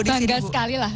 sangat sekali lah